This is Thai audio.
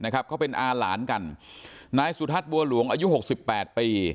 เขาเป็นอาหลานกันนายสุรศักดิ์บัวหลวงอายุ๖๘ปี